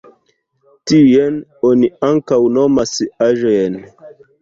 Tiujn oni ankaŭ nomas aĵojn.